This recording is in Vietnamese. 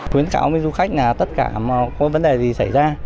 khuyến cáo với du khách là tất cả có vấn đề gì xảy ra